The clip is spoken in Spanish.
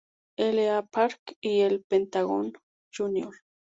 L. A. Park y el Pentagón Jr.